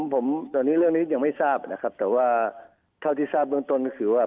ผมตอนนี้เรื่องนี้ยังไม่ทราบนะครับแต่ว่าเท่าที่ทราบเบื้องต้นก็คือว่า